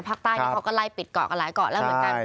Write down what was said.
ภาคใต้นี่เขาก็ไล่ปิดเกาะกันหลายเกาะแล้วเหมือนกัน